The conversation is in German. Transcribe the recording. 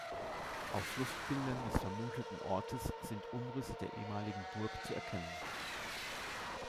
Auf Luftbildern des vermuteten Ortes sind Umrisse der ehemaligen Burg zu erkennen.